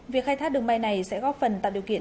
việc khai thác đường bay này sẽ góp phần tạo điều kiện